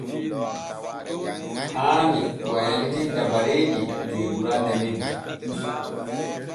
Haani wayliten dabareeji der duranne men.